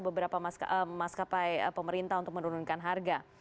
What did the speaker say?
beberapa maskapai pemerintah untuk menurunkan harga